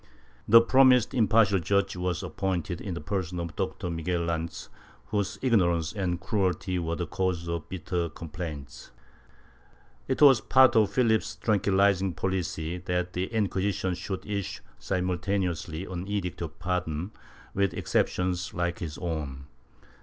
The promised impartial judge was appointed in the person of Doctor Miguel Lanz, whose ignorance and cruelty were the cause of bitter complaints. It was part of Philip's tranquilizing policy that the Inquisition should issue simultaneously an edict of pardon, with exceptions like his own.